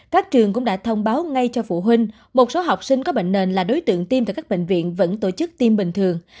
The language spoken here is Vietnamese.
các trường cũng đã thông báo ngay cho phụ huynh một số học sinh có bệnh nền là đối tượng tiêm tại các bệnh viện vẫn tổ chức tiêm bình thường